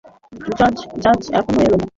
জাজ এখনো এলো না?